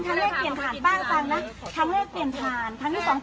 ใช่ครั้งแรกเปลี่ยนทานป้าฟังนะ